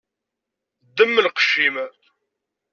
Ddem lqec-im.